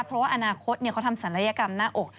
เพราะว่าอนาคตเขาทำศัลยกรรมหน้าอก